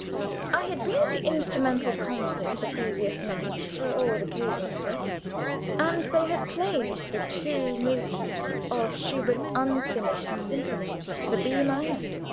I had been at the instrumental concert the previous night, for old association's sake, and they had played the two movements of Schubert's unfinished symphony the B minor.